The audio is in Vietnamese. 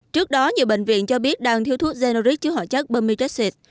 trước đó nhiều bệnh viện cho biết đang thiếu thuốc generic chứa hỏa chất bermudaxit